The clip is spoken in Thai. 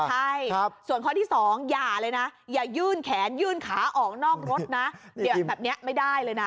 ใช่ส่วนข้อที่๒อย่าเลยนะอย่ายื่นแขนยื่นขาออกนอกรถนะแบบนี้ไม่ได้เลยนะ